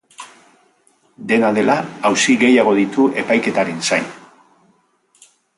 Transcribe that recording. Dena dela, auzi gehiago ditu epaiketaren zain.